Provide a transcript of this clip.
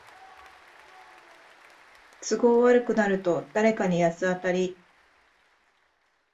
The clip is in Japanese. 都合悪くなると誰かに八つ当たり